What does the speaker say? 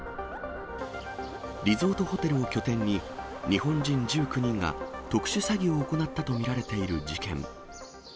リゾートホテルを拠点に、日本人１９人が特殊詐欺を行ったと見られている事件。